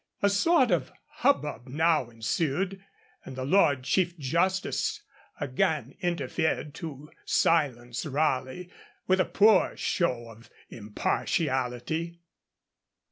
A sort of hubbub now ensued, and the Lord Chief Justice again interfered to silence Raleigh, with a poor show of impartiality.